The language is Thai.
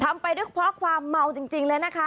ไปด้วยความเมาจริงเลยนะคะ